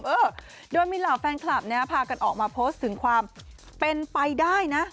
เออโดยมีเหล่าแฟนคลับเนี่ยพากันออกมาโพสต์ถึงความเป็นไปได้นะ